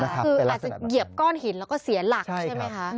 คืออาจจะเหยียบก้อนหินแล้วก็เสียหลักใช่ไหมคะ